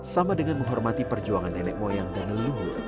sama dengan menghormati perjuangan nenek moyang dan leluhur